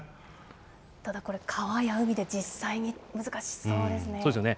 ただこれ、川や海で実際に、そうですよね、